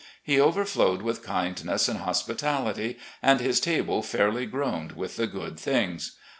He over flowed with kindness and hospitality, and his table fairly groaned with the good things.